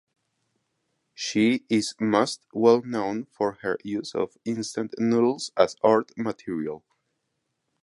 She is most well known for her use of instant noodles as art material.